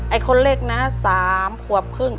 คนเล็กนะ๓ขวบครึ่ง